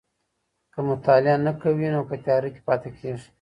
که مطالعه نه کوې نو په تياره کي پاته کېږې.